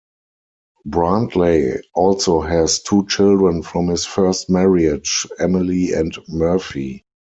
Brantley also has two children from his first marriage, Emily and Murphy.